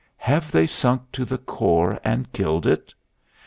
Have they sunk to the core and killed it?